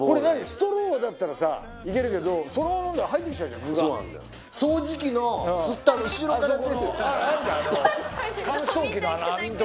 ストローだったらさいけるけどそのまま飲んだら入ってきちゃうじゃん具が掃除機の吸った後ろから出てくるあるじゃん